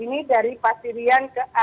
ini dari pasirian ke a